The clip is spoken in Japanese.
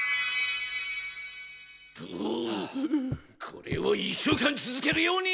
これを１週間続けるように！